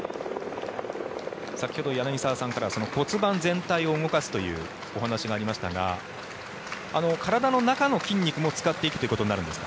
先ほど柳澤さんからは骨盤全体を動かすというお話がありましたが体の中の筋肉も使っていくということになるんですか？